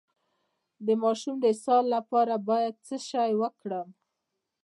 د ماشوم د اسهال لپاره باید څه شی ورکړم؟